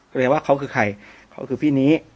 ก็เรียกว่าเขาคือใครเขาคือพี่นี้